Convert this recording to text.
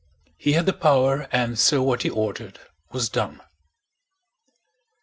He had the power and so what he ordered was done.